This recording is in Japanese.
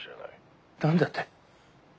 何だって？